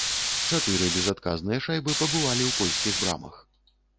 Чатыры безадказныя шайбы пабывалі ў польскіх брамах.